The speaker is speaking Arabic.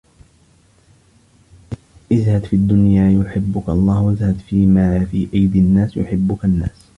ازْهَدْ فِي الدُّنْيَا يُحِبُّك اللَّهُ وَازْهَدْ فِيمَا فِي أَيْدِي النَّاسِ يُحِبُّك النَّاسُ